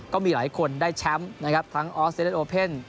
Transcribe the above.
ก็มีหลายคนได้แชมป์นะครับทั้งออสเตรเลสโอเพ่น